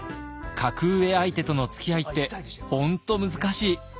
格上相手とのつきあいって本当難しい。